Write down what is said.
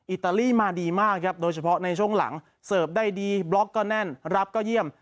อิตาลีมาดีมากครับโดยเฉพาะในช่วงหลังเสิร์ฟได้ดีบล็อกก็แน่นรับก็เยี่ยม